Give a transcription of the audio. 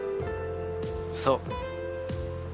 そう。